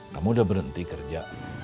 kamu udah berhenti kerja